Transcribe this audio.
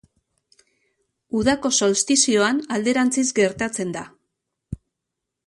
Udako solstizioan alderantziz gertatzen da.